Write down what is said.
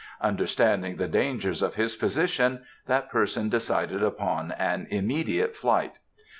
Understanding the dangers of his position, that person decided upon an immediate flight.